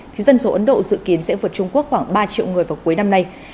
thì dân số ấn độ dự kiến sẽ vượt trung quốc khoảng ba triệu người vào cuối năm nay